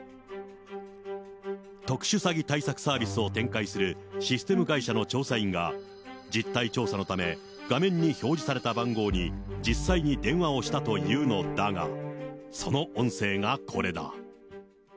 特殊詐欺対策サービスを展開するシステム会社の調査員が、実態調査のため、画面に表示された番号に実際に電話をしたというのだが、その音声がこれだ。